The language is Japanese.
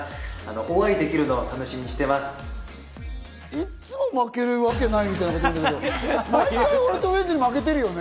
いつも負けるわけないみたいなこと言うけど、毎回、俺とウエンツに負けてるよね。